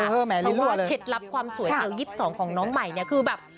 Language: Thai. เพราะว่าเท็จรับความสวยเอล๒๒ของน้องใหม่คือแบบ